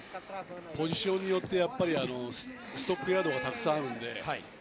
ポジションによってはストックがたくさんあるので。